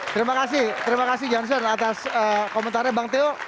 terima kasih terima kasih johnson atas komentarnya bang teo